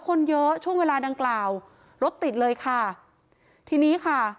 คนเยอะช่วงเวลาดังกล่าวรถติดเลยค่ะทีนี้ค่ะ